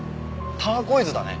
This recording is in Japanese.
ターコイズだね。